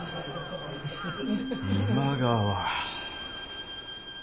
今川。